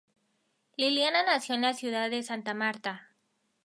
Liliana nació en la ciudad de Santa Marta.